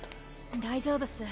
大丈夫っす。